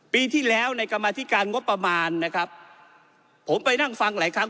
ปีที่แล้วในกรรมธิการงบประมาณนะครับผมไปนั่งฟังหลายครั้ง